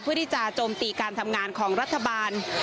เพื่อที่จะโจมตีการทำงานของรัฐบาล